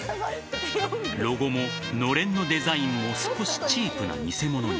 ロゴものれんのデザインも少しチープな偽物に。